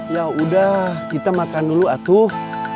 ya udah kita makan dulu atuf